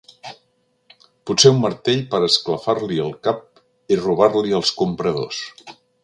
Potser un martell per esclafar-li el cap i robar-li els compradors.